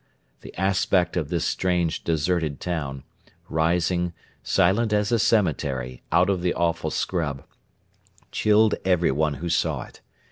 The aspect of this strange deserted town, rising, silent as a cemetery, out of the awful scrub, chilled everyone who saw it.